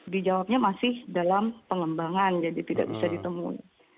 dijawabnya masih dalam pengembangan jadi tidak bisa ditemui